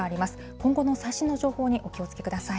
今後の最新の情報にお気をつけください。